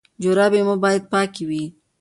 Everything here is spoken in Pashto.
جرابې مو باید پاکې وي.